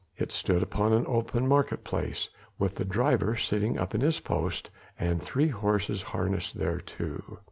It stood upon an open market place, with the driver sitting up at his post and three horses harnessed thereto.